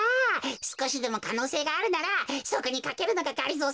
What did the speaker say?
すこしでもかのうせいがあるならそこにかけるのががりぞー